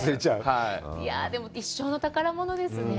でも、一生の宝物ですね。